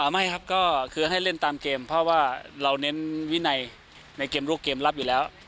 ไม่ครับก็คือให้เล่นตามเกมเพราะว่าเราเน้นวินัยในเกมลูกเกมรับอยู่แล้ว